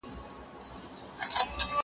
زه اجازه لرم چي ښوونځی ته لاړ شم؟